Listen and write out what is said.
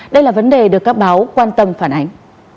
đây là vấn đề được các báo quan tâm phản ánh